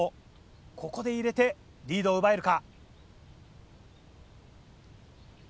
ここで入れてリードを奪えるか？